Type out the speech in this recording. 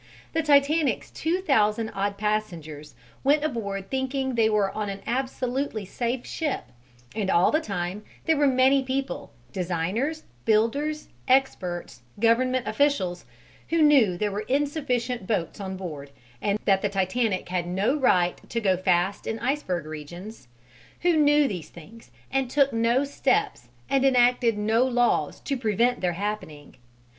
The Titanic's two thousand odd passengers went aboard thinking they were on an absolutely safe ship, and all the time there were many people designers, builders, experts, government officials who knew there were insufficient boats on board, that the Titanic had no right to go fast in iceberg regions, who knew these things and took no steps and enacted no laws to prevent their happening.